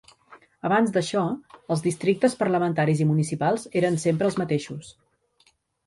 Abans d'això, els districtes parlamentaris i municipals eren sempre els mateixos.